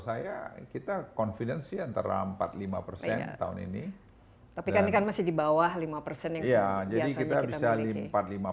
saya kita confidence antara empat puluh lima persen tahun ini tapi kan masih di bawah lima persen ya jadi kita bisa